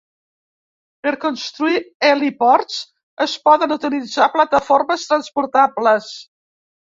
Per construir heliports es poden utilitzar plataformes transportables.